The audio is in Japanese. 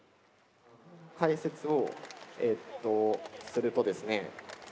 解説をするとですね